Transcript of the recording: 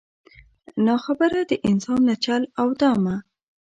نا خبره د انسان له چل او دامه